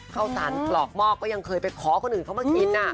ข้าวสารกรอกหม้อก็ยังเคยไปขอคนอื่นเข้ามากิน